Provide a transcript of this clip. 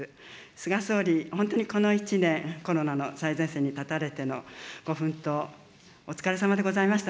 菅総理、本当にこの１年、コロナの最前線に立たれてのご奮闘、お疲れさまでございました。